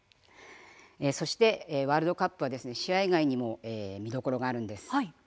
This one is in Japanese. そしてワールドカップは試合以外にも見どころがあるんです。